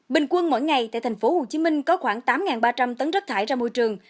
bình quân mỗi ngày tại tp hcm có khoảng tám ba trăm linh tấn rác thải ra môi trường